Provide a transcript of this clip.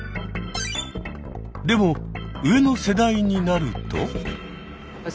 でも上の世代になると。